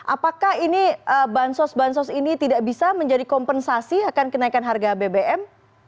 apakah ini bansos bansos ini tidak bisa menjadi kompensasi akan kenaikan harga bbm